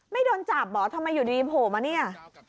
ไม่โดนจับเหรอทำไมอยู่ดีโผล่มาเนี่ย